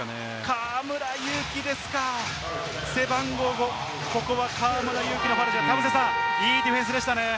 河村勇輝ですか背番号５、ここは河村勇輝のファウル、田臥さん、いいディフェンスでしたね。